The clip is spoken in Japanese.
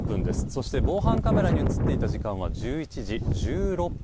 そして防犯カメラに映っていた時間は１１時１６分。